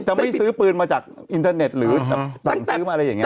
ไม่ซื้อปืนมาจากอินเทอร์เน็ตหรือสั่งซื้อมาอะไรอย่างนี้